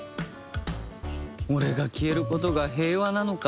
俺が消えることが平和なのか？